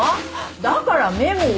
だからメモを。